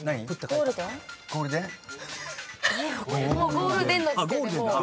「ゴールデン」の時点でもう。